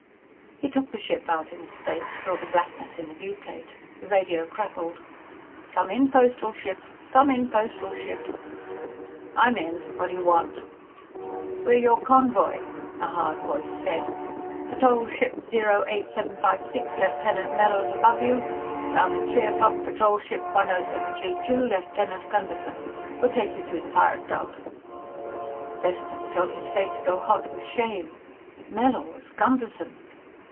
He took the ship out in space, saw the blackness in the viewplate. The radio crackled. "Come in, Postal Ship. Come in, Postal Ship." "I'm in. What do you want?" "We're your convoy," a hard voice said. "Patrol Ship 08756, Lieutenant Mellors, above you. Down at three o'clock, Patrol Ship 10732, Lieutenant Gunderson. We'll take you through the Pirate Belt." Preston felt his face go hot with shame. Mellors! Gunderson!